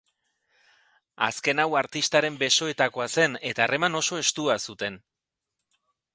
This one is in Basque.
Azken hau artistaren besoetakoa zen eta harreman oso estua zuten.